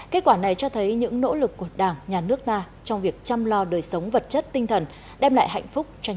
kết quả này cho thấy những nỗ lực của đảng nhà nước ta trong việc chăm lo đời sống vật chất tinh thần đem lại hạnh phúc cho nhân dân